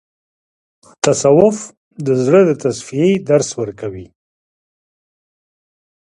تصوف د زړه د تصفیې درس ورکوي.